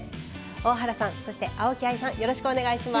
大原さんそして青木愛さんよろしくお願いします。